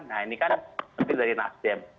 nah ini kan mungkin dari nasdem